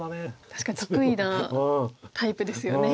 確かに得意なタイプですよね。